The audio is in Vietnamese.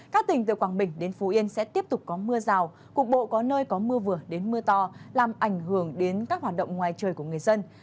các tỉnh từ quảng bình đến phú yên sẽ tiếp tục có mưa rào cục bộ có nơi có mưa vừa đến mưa to làm ảnh hưởng đến các hoạt động ngoài trời của người dân